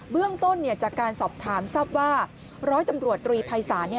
เรื่องต้นจากการสอบถามทราบว่าร้อยตำรวจตรีภัยศาล